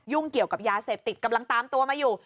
เกี่ยวกับยาเสพติดกำลังตามตัวมาอยู่